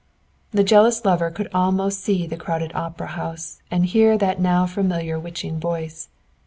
The jealous lover could almost see the crowded opera house and hear that now familiar witching voice.